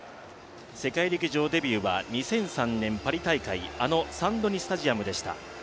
世界陸上デビューは２００３年パリ大会あのサンドニスタジアムでした。